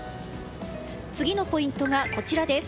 次のポイントがこちら。